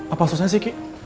apa susahnya sih ki